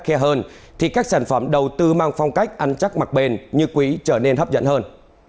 khe hơn thì các sản phẩm đầu tư mang phong cách ăn chắc mặc bền như quý trở nên hấp dẫn hơn